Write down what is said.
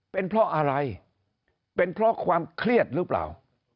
เป็นเพราะอะไรเป็นเพราะความเครียดหรือเปล่า